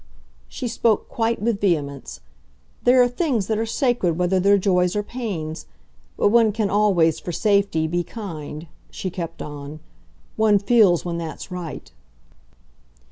she spoke quite with vehemence. "There are things that are sacred whether they're joys or pains. But one can always, for safety, be kind," she kept on; "one feels when that's right."